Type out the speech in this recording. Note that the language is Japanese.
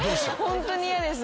ホントに嫌です。